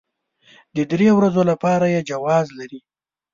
د درې ورځو لپاره يې جواز لري.